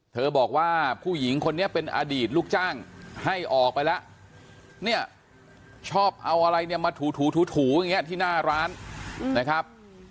บอกว่าผู้หญิงคนนี้เป็นอดีตลูกจ้างให้ออกไปแล้วเนี่ยชอบเอาอะไรเนี่ยมาถูถูอย่างนี้ที่หน้าร้านนะครับ